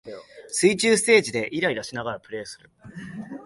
水中ステージでイライラしながらプレイする